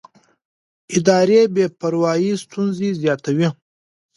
اداري بې پروایي ستونزې زیاتوي